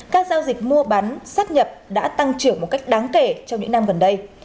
các giao dịch mua bán sát nhập đã tăng trưởng một cách đáng kể trong những năm gần đây